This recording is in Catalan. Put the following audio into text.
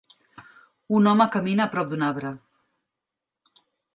Un home camina a prop d'un arbre.